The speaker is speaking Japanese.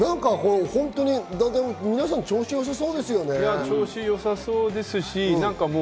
皆さん調子よさそうですよね。